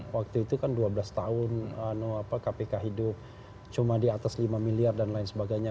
waktu itu kan dua belas tahun kpk hidup cuma di atas lima miliar dan lain sebagainya